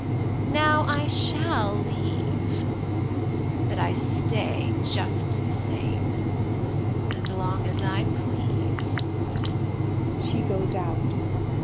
Now I shall leave, but I stay just the same — ^as long as I please f/ [She goes out. Student.